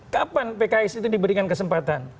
kapan pks itu diberikan kesempatan